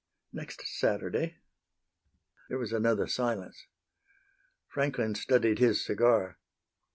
"Next Saturday." There was another silence. Franklin studied his cigar.